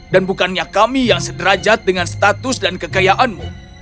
dan bukannya kami yang sederajat dengan status dan kekayaanmu